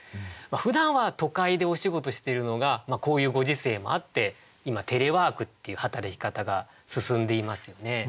ふだんは都会でお仕事してるのがこういうご時世もあって今テレワークっていう働き方が進んでいますよね。